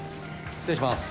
失礼します。